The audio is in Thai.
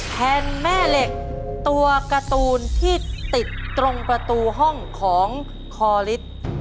แผ่นแม่เหล็กตัวการ์ตูนที่ติดตรงประตูห้องของคอลิส